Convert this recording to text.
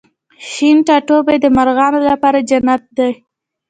شین ټاټوبی د مرغانو لپاره جنت دی